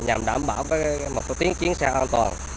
nhằm đảm bảo một tiến chiến xe an toàn